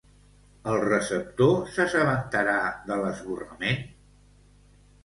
El receptor s'assabentarà de l'esborrament?